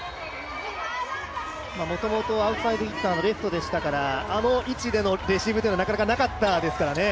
もともとアウトサイドヒッターのレフトでしたから、あの位置でのレシーブ、なかなかなかったですからね。